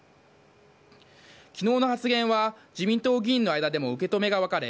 昨日の発言は自民党議員の間でも受け止めが分かれ